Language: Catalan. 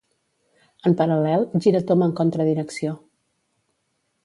En paral·lel, giratomb en contra direcció.